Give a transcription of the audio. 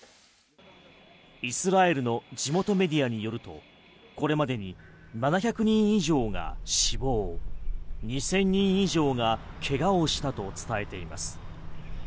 イスラエルの地元メディアによるとこれまでに７００人以上が死亡２０００人以上が怪我をしたと伝えています。